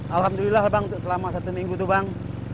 alhamdulillah bang selama satu minggu itu bang